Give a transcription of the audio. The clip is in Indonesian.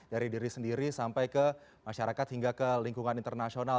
dari diri sendiri sampai ke masyarakat hingga ke lingkungan internasional